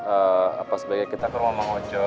eee apa sebagai kita ke rumah bang ojo